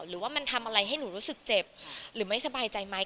หรือว่ามันทำอะไรให้หนูรู้สึกเจ็บหรือไม่สบายใจไหม